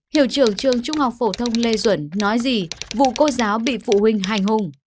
hiệu trưởng trường trung học phổ thông lê duẩn nói gì vụ cô giáo bị phụ huynh hành hùng